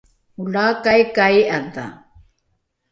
olaakai ka i’adha